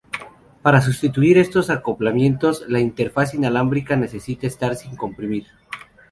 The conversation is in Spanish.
Para sustituir estos acoplamientos la interfaz inalámbrica necesita estar sin comprimir.